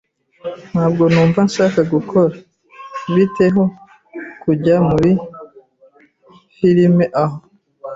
Ntabwo numva nshaka gukora. Bite ho kujya muri firime aho?